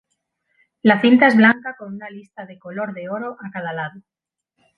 La cinta es blanca con una lista de color de oro a cada lado.